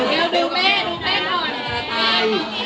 แม่ละตาย